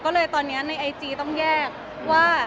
ก็เลยตอนนี้ในไอจีต้องแยกว่า